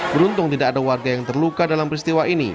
beruntung tidak ada warga yang terluka dalam peristiwa ini